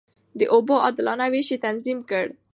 د اوبو عادلانه وېش يې تنظيم کړ.